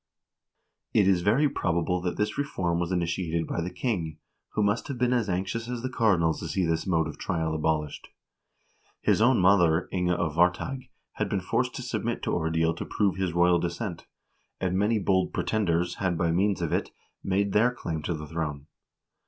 It is very prob able that this reform was initiated by the king, who must have been as anxious as the cardinal to see this mode of trial abolished. His own mother, Inga of Varteig, had been forced to submit to ordeal to prove his royal descent, and many bold pretenders had, by means of it, made good their claim to the throne.